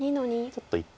ちょっと一本。